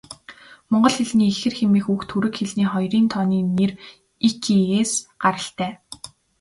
Монгол хэлний ихэр хэмээх үг түрэг хэлний хоёрын тооны нэр 'ики'-ээс гаралтай.